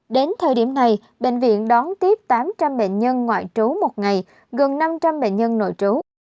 đến thời điểm này bệnh viện đón tiếp tám trăm linh bệnh nhân ngoại trú một ngày gần năm trăm linh bệnh nhân nội trú